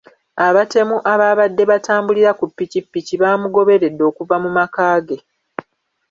Abatemu ababadde batambulira ku pikipiki bamugoberedde okuva mu makaage .